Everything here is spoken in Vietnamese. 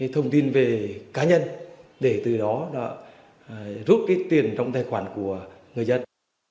thông tin về cá nhân để từ đó rút tiền trong tài khoản của người dân